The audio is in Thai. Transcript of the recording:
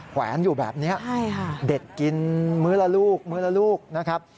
แวนอยู่แบบนี้เด็ดกินมื้อละลูกมื้อละลูกนะครับ